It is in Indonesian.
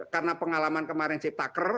karena pengalaman kemarin ciptaker